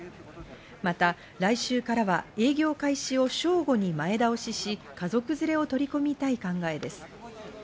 また来週からは営業開始を正午に前倒しし、家族連れを取り込みたい考えです。